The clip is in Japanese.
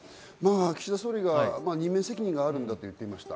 岸田総理が任命責任があると言っていました。